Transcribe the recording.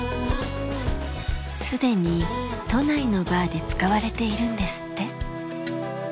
すでに都内のバーで使われているんですって。